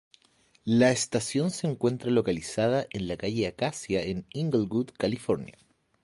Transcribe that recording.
La estación se encuentra localizada en la Calle Acacia en Inglewood, California.